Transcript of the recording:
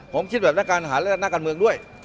ผมคิดแบบนักการเมืองด้วย